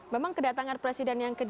memang kedatangan presiden yang kedua